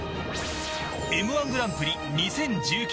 Ｍ−１グランプリ２０１９